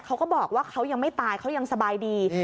เขาก็บอกว่าเขายังไม่ตายเขายังสบายดี